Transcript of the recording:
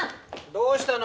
どうしたの？